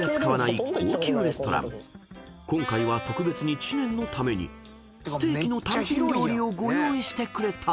［今回は特別に知念のためにステーキの単品料理をご用意してくれた］